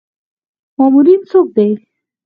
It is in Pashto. مامورین څوک دي؟